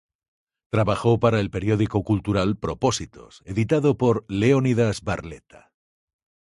Trabajó para el periódico cultural Propósitos, editado por Leónidas Barletta